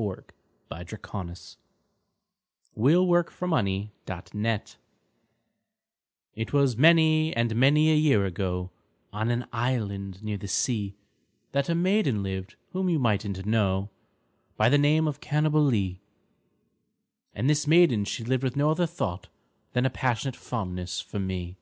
V^ Unknown, } 632 Parody A POE 'EM OF PASSION It was many and many a year ago, On an island near the sea, That a maiden lived whom you migbtnH know By the name of Cannibalee; And this maiden she lived with no other thought Than a passionate fondness for me.